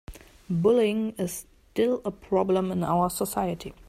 Bullying is still a problem in our society.